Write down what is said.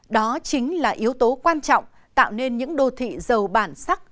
đó chính là yếu tố quan trọng tạo nên những đô thị giàu bản sắc